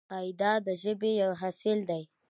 قاعده د ژبې یو اصل دئ.